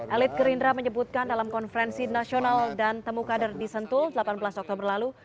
elit gerindra menyebutkan dalam konferensi nasional dan temu kader di sentul delapan belas oktober lalu